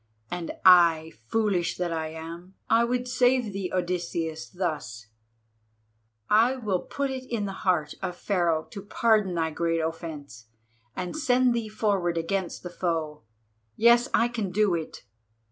And I, foolish that I am, I would save thee, Odysseus, thus: I will put it in the heart of Pharaoh to pardon thy great offence, and send thee forward against the foe; yes, I can do it.